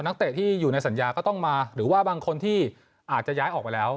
เตะที่อยู่ในสัญญาก็ต้องมาหรือว่าบางคนที่อาจจะย้ายออกไปแล้ว